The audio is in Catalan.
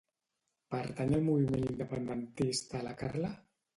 Pertany al moviment independentista la Carla?